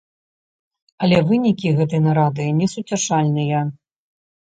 Але вынікі гэтай нарады несуцяшальныя.